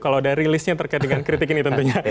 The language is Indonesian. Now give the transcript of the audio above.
kalau ada rilisnya terkait dengan kritik ini tentunya